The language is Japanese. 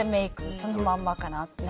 そのままかなと。